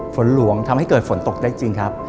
ฝนหลวงทำให้เกิดฝนตกได้จริงครับ